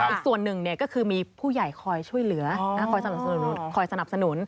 อีกส่วนหนึ่งก็คือมีผู้ใหญ่คอยช่วยเหลือคอยสนับสนุน